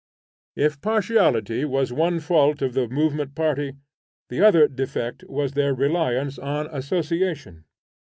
If partiality was one fault of the movement party, the other defect was their reliance on Association.